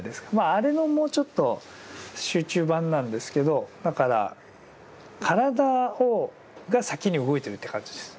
あれのもうちょっと集中版なんですけどだから体が先に動いてるって感じです。